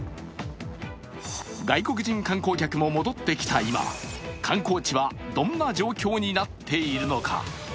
外国人観光客も戻ってきた今、観光地はどんな状況になっているのか。